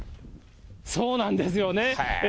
そうなんですよね。